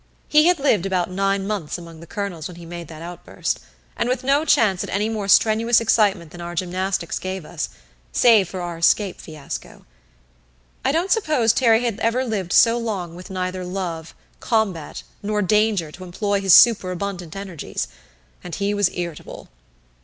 He had lived about nine months among the "Colonels" when he made that outburst; and with no chance at any more strenuous excitement than our gymnastics gave us save for our escape fiasco. I don't suppose Terry had ever lived so long with neither Love, Combat, nor Danger to employ his superabundant energies, and he was irritable.